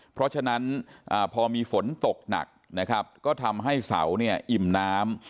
เพราะฉะนั้นพอมีฝนตกหนักนะครับก็ทำให้เสาเนี่ยอิ่มน้ำ